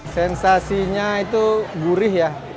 sensasinya itu gurih ya